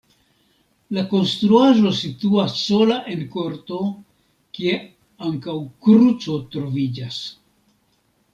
La konstruaĵo situas sola en korto, kie ankaŭ kruco troviĝas.